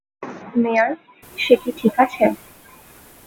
মেয়ার, সে কি ঠিক আছে?